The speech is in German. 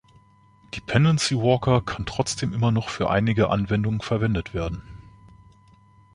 Dependency Walker kann trotzdem immer noch für einige Anwendungen verwendet werden.